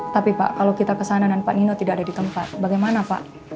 tapi pak kalau kita kesana dan pak nino tidak ada di tempat bagaimana pak